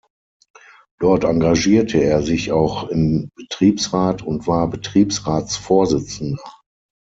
Dort engagierte er sich auch im Betriebsrat und war Betriebsratsvorsitzender.